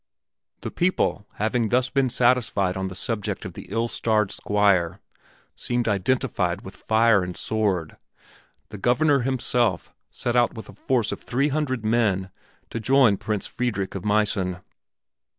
The people having thus been satisfied on the subject of the ill starred Squire, whose existence seemed identified with fire and sword, the Governor himself set out with a force of three hundred men to join Prince Friedrich of Meissen.